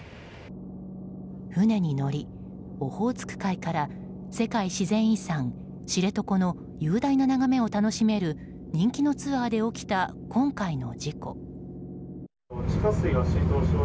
船に乗り、オホーツク海から世界自然遺産知床の雄大な眺めを楽しめる人気なツアーで起きた今回の事故。